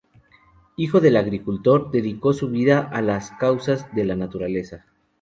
Hijo de agricultor, dedicó su vida las causas de la naturaleza.